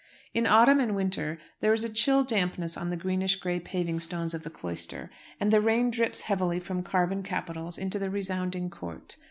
In autumn and winter there is a chill dampness on the greenish gray paving stones of the cloister, and the rain drips heavily from carven capitals into the resounding court.